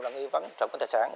là nghi vấn trong các tài sản